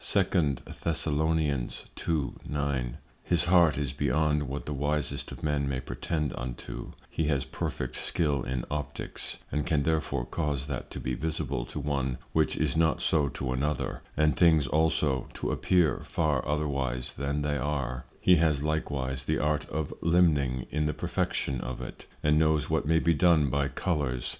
2 Thess. 2.9. His Heart is beyond what the wisest of Men may pretend unto: He has perfect skill in Opticks, and can therefore cause that to be visible to one, which is not so to another, and things also to appear far otherwise then they are: He has likewise the Art of Limning in the Perfection of it, and knows what may be done by Colours.